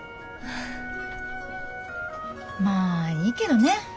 まあいいけどね。